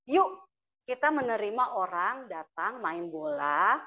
yuk kita menerima orang datang main bola